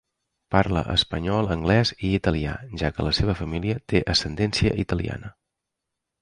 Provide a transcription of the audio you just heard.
Parla espanyol, anglès i italià, ja que la seva família té ascendència italiana.